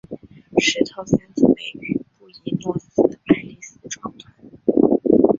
石头三姊妹于布宜诺斯艾利斯创团。